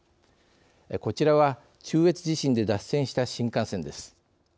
こちらは中越地震で脱線した新幹線です。